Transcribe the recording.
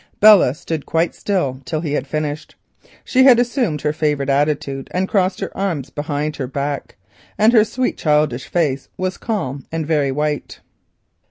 Belle stood quite still till he had finished. She had assumed her favourite attitude and crossed her arms behind her back, and her sweet childish face was calm and very white.